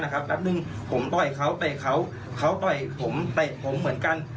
แป๊บนึงผมต่อยเขาเตะเขาเขาต่อยผมเตะผมเหมือนกัน